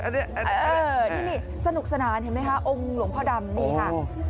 นี่สนุกสนานเห็นไหมคะองค์หลวงพ่อดำนี่ค่ะ